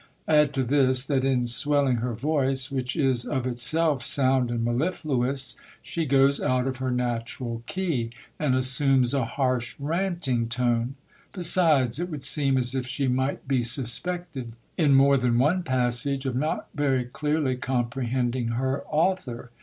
Add to this, that in swelling her voice, which is of itself sound and mellifluous, she goes out of her natural key, and assumes a harsh ranting tone. 1 Jesides, it would seem as if she might be suspected in more than one passage, of not very clearly comprehending her author.